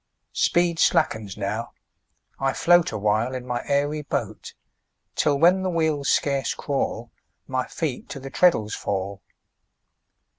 Speed slackens now, I float Awhile in my airy boat; Till, when the wheels scarce crawl, My feet to the treadles fall.